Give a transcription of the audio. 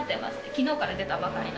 昨日から出たばかりの。